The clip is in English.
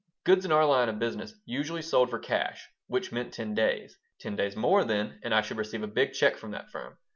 Goods in our line of business usually sold "for cash," which meant ten days. Ten days more, then, and I should receive a big check from that firm.